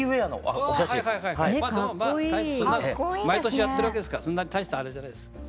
毎年やってるわけですからそんなに大したあれじゃないです。